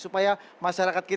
supaya masyarakat bisa berpikir